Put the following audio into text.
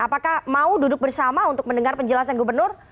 apakah mau duduk bersama untuk mendengar penjelasan gubernur